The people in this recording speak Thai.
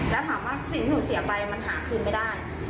แล้วถามว่าสิ่งที่หนูเสียไปมันหาคืนไม่ได้